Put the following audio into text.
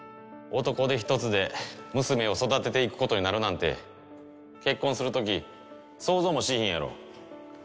男手一つで娘を育てていく事になるなんて結婚する時想像もしいひんやろ。